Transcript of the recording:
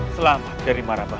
selamat dari marabah